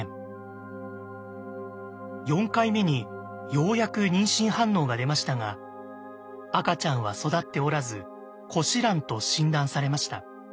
４回目にようやく妊娠反応が出ましたが赤ちゃんは育っておらず枯死卵と診断されました。